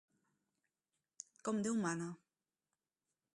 Com Déu mana.